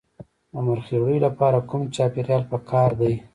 د مرخیړیو لپاره کوم چاپیریال پکار دی؟